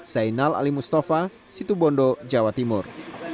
zainal ali mustafa situ bondo jawa timur